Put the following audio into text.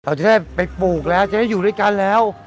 เราจะได้ไปปลูกแล้วจะได้อยู่ด้วยกันแล้ว